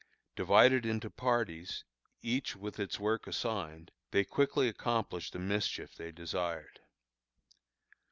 Divided into parties, each with its work assigned, they quickly accomplished the mischief they desired.